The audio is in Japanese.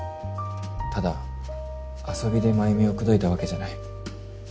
ただ遊びで繭美を口説いたわけじゃない。